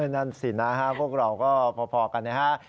นั่นสินะครับพวกเราก็พอกันนะครับ